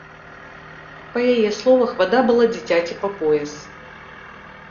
Па яе словах, вада была дзіцяці па пояс.